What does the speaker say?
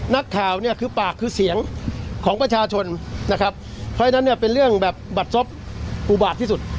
นักข่าวเนี่ยคือปากคือเสียงของประชาชนนะครับเพราะฉะนั้นเนี่ยเป็นเรื่องแบบบัตรซบอุบาตที่สุด